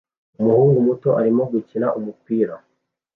Umuhungu muto arimo gukina umupira